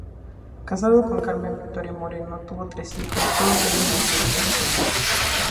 Casado con Carmen Victoria Moreno tuvo tres hijos, todos ellos nacidos en este país.